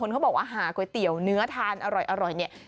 เขาบอกว่าหาก๋วยเตี๋ยวเนื้อทานอร่อยเนี่ย